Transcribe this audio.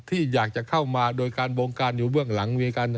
ที่อยากจะเข้ามาโดยการบงการอยู่เบื้องหลัง